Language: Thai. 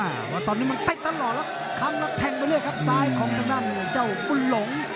เพราะตอนนี้มันติดตลอดแล้วค้ำแล้วแทงไปเรื่อยครับซ้ายของทางด้านเจ้าบุญหลง